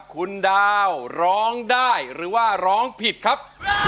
คุณดาวร้องได้หรือว่าร้องผิดครับ